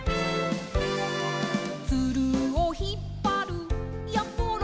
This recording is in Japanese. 「ツルをひっぱるやころ」